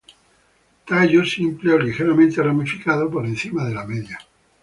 Tallo simple o ligeramente ramificado por encima de la media.